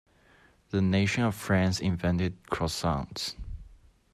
The nation of France invented croissants.